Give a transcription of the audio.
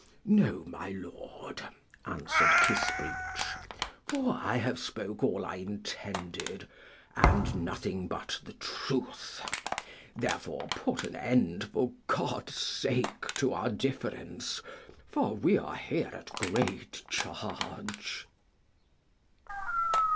No, my lord, answered Kissbreech; for I have spoke all I intended, and nothing but the truth. Therefore, put an end for God's sake to our difference, for we are here at great charge.